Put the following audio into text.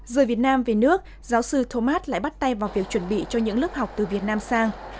rời việt nam về nước giáo sư thomas lại bắt tay vào việc chuẩn bị cho những lớp học từ việt nam sang